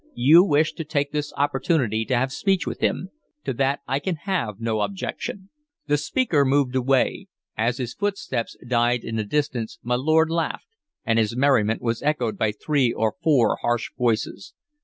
You wish to take this opportunity to have speech with him, to that I can have no objection." The speaker moved away. As his footsteps died in the distance my lord laughed, and his merriment was echoed by three or four harsh voices.